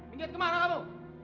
minggit kemana kamu